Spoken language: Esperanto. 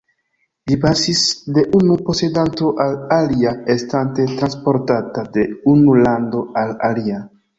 Ĝi pasis de unu posedanto al alia, estante transportata de unu lando al alia.